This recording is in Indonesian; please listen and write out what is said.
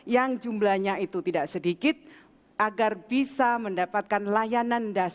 yang jumlahnya itu tidak sedikit agar bisa mendapatkan layanan dasar